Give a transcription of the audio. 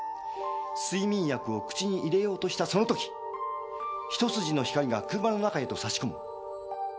睡眠薬を口に入れようとしたその時一筋の光が車の中へと差し込む。